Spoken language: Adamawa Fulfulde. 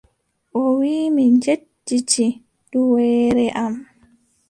O wii, mi yejjiti duweere am.